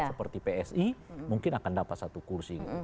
seperti psi mungkin akan dapat satu kursi